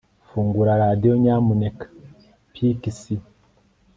Fungura radio nyamuneka piksea